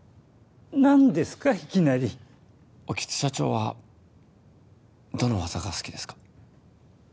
何ですかいきなり興津社長はどの技が好きですか？